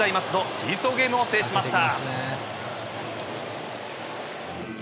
シーソーゲームを制しました。